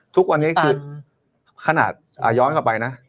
ทุกวันนี้คือขนาดย้อนกลับไปนะ